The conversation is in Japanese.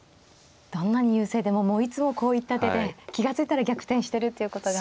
どんなに優勢でもいつもこういった手で気が付いたら逆転してるっていうことが。